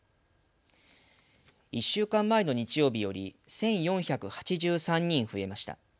１週間前の日曜日より１４８３人増えました。